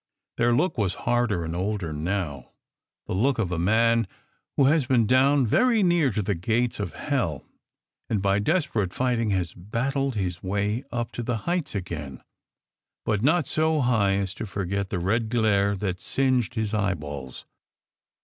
Their look was harder and older now, the look of a man who has been down very near to the gates of hell, and by desperate fighting has battled his way up the heights again, but not so high as to forget the red glare that singed his eyeballs.